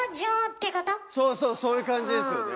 そうそうそういう感じですよね。